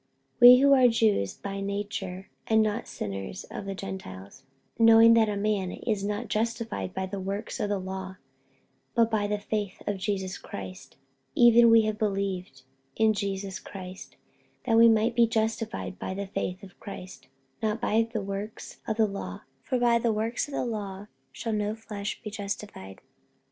48:002:015 We who are Jews by nature, and not sinners of the Gentiles, 48:002:016 Knowing that a man is not justified by the works of the law, but by the faith of Jesus Christ, even we have believed in Jesus Christ, that we might be justified by the faith of Christ, and not by the works of the law: for by the works of the law shall no flesh be justified.